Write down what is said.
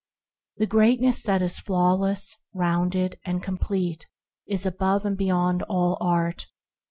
The greatness that is flawless, rounded, and complete is above and beyond all art.